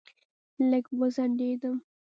لږ وځنډېدم.